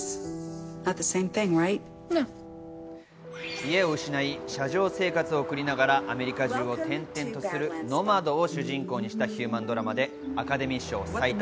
家を失い、車上生活を送りながらアメリカ中を転々とするノマドを主人公にしたヒューマンドラマでアカデミー賞最多